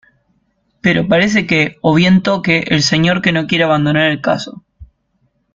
Pero parece que, o bien Toque el señor que no quiere abandonar el caso.